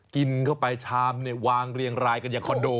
กินเข้าไปชามเนี่ยวางเรียงรายกันอย่างคอนโด